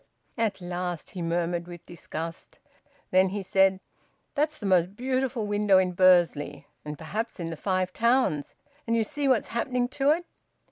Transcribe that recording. "At last!" he murmured with disgust. Then he said: "That's the most beautiful window in Bursley, and perhaps in the Five Towns; and you see what's happening to it."